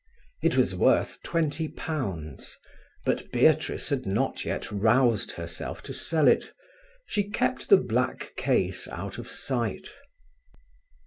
It was worth twenty pounds, but Beatrice had not yet roused herself to sell it; she kept the black case out of sight.